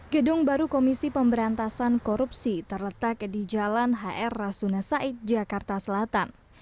gedung baru komisi pemberantasan korupsi terletak di jalan hr rasuna said jakarta selatan